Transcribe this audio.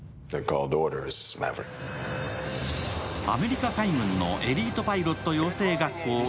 アメリカ海軍のエリートパイロット養成学校